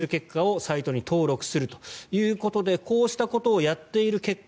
接種結果をサイトに登録するということでこうしたことをやっている結果